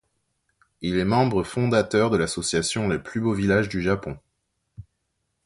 Il est membre fondateur de l'association Les Plus Beaux Villages du Japon.